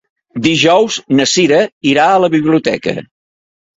Dijous na Cira irà a la biblioteca.